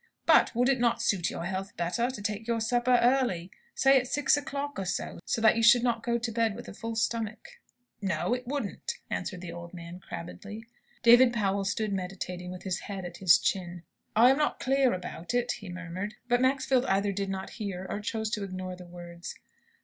"But would it not suit your health better, to take your supper early? Say at six o'clock or so; so that you should not go to bed with a full stomach." "No; it wouldn't," answered the old man, crabbedly. David Powell stood meditating, with his hand to his chin. "I am not clear about it," he murmured. But Maxfield either did not hear, or chose to ignore the words.